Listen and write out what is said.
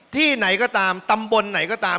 ที่ไหนก็ตามตำบลไหนก็ตาม